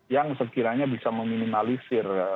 yang sekiranya bisa meminimalisir